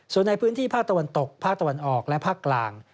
ส่วนในพื้นที่ภาคตะวันตกภาคตะวันออกและภาคกลาง